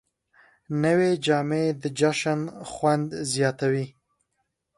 نوې جامې د جشن خوند زیاتوي